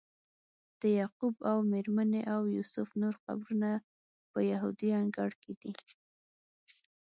د یعقوب او میرمنې او یوسف نور قبرونه په یهودي انګړ کې دي.